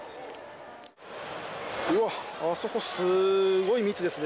うわっ、あそこすごい密ですね。